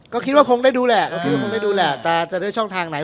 ก็คิดว่าคงได้ดูแหละแต่จะได้ช่องทางไหน